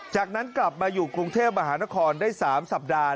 จากนั้นกลับมาอยู่กรุงเทพมหานครได้๓สัปดาห์